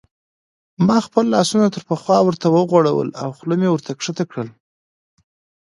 ما خپل لاسونه تر پخوا ورته وغوړول او خوله مې ورته کښته کړل.